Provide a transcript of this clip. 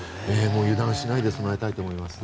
油断しないでもらいたいと思います。